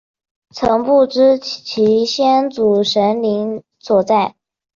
曾不知其先祖神灵所在。